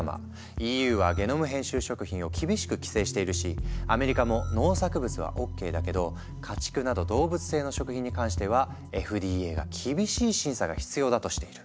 ＥＵはゲノム編集食品を厳しく規制しているしアメリカも農作物はＯＫだけど家畜など動物性の食品に関してはＦＤＡが厳しい審査が必要だとしている。